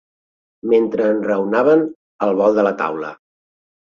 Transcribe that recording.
Mentre enraonaven al volt de la taula